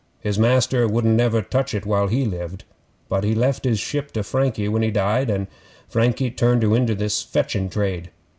His master wouldn't never touch it while he lived, but he left his ship to Frankie when he died, and Frankie turned her into this fetchin' trade.